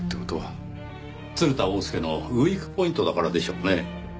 鶴田翁助のウィークポイントだからでしょうね。